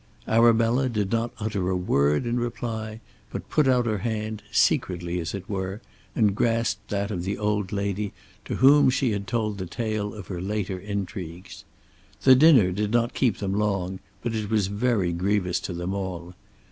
Arabella did not utter a word in reply, but put out her hand, secretly as it were, and grasped that of the old lady to whom she had told the tale of her later intrigues. The dinner did not keep them long, but it was very grievous to them all.